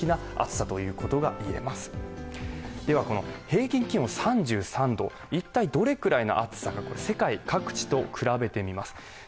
平均気温３３度、一体どれくらいの暑さか、世界各地と比べてみます。